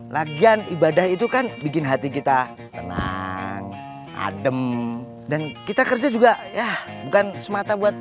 lagian ibadah itu kan bikin hati kita tenang adem dan kita kerja juga ya bukan semata buat